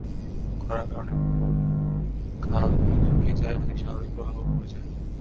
খরার কারণে কূপ, খাল, বিল শুকিয়ে যায়, নদীর স্বাভাবিক প্রবাহ কমে যায়।